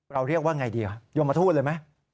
เราเรียกว่าอย่างไรดียมมาทูดเลยไหม